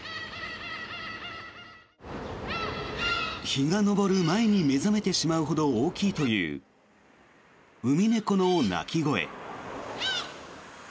日が昇る前に目覚めてしまうほど大きいというウミネコの鳴き声。